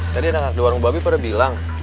tadi ada orang babi pernah bilang